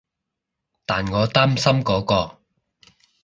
但我擔心嗰個